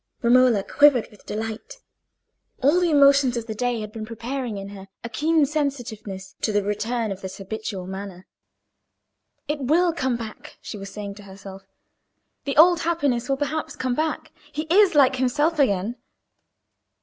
Romola quivered with delight. All the emotions of the day had been preparing in her a keener sensitiveness to the return of this habitual manner. "It will come back," she was saying to herself, "the old happiness will perhaps come back. He is like himself again."